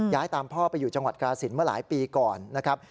ตามพ่อไปอยู่จังหวัดกราศิลป์เมื่อหลายปีก่อนนะครับ